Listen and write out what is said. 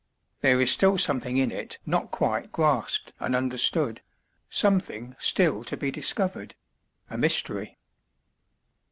There is still something in it not quite grasped and understood something still to be discovered a mystery.